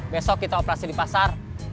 besok kita operasi di pasar